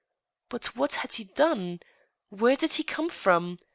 But what had he done ? Where did he come from